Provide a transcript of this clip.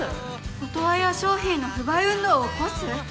「オトワヤ商品の不買運動を起こす」！？